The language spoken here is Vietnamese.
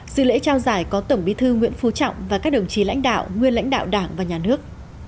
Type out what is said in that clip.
sự lễ trao giải có tổng bí thư nguyễn phú trọng và các đồng chí lãnh đạo nguyên lãnh đạo đảng và nhà nước